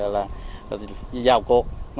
là vào cuộc